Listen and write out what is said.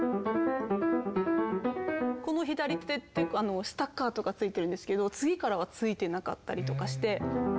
この左手ってスタッカートがついてるんですけど次からはついてなかったりとかして。